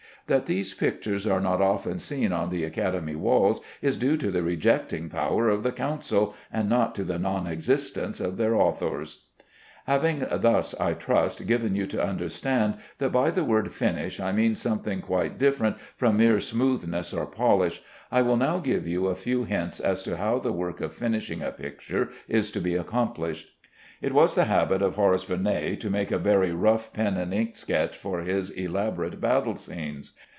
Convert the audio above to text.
That these pictures are not often seen on the Academy walls is due to the rejecting power of the Council, and not to the non existence of their authors. Having thus, I trust, given you to understand that by the word "finish" I mean something quite different from mere smoothness or polish, I will now give you a few hints as to how the work of finishing a picture is to be accomplished. It was the habit of Horace Vernet to make a very rough pen and ink sketch for his elaborate battle pieces.